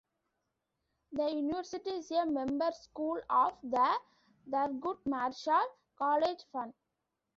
The University is a member-school of the Thurgood Marshall College Fund.